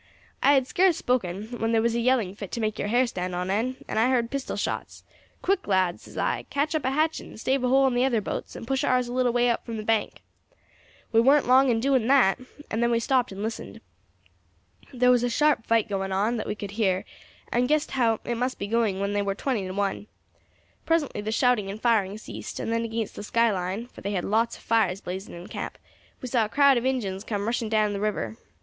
I had scarce spoken when there was a yelling fit to make your har stand on end, and I heard pistol shots. 'Quick,' lads, says I, 'catch up a hatchet and stave a hole in the other boats, and push ours a little way out from the bank.' We warn't long in doing that, and then we stopped and listened. "There was a sharp fight going on, that we could hear, and guessed how it must be going when they war twenty to one. Presently the shouting and firing ceased, and then against the sky line for they had lots of fires blazing in camp we saw a crowd of Injuns come rushing down to the river.